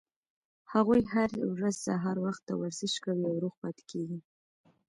هغوي هره ورځ سهار وخته ورزش کوي او روغ پاتې کیږي